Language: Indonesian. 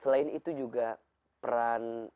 selain itu juga peran